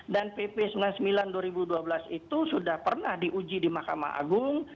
dan pp sembilan sembilan dua ribu dua belas itu sudah pernah diuji di makam agung